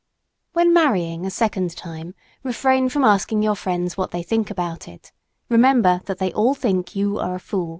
When marrying a second time refrain from asking your friends what they think about it. Remember that they all think you are a fool.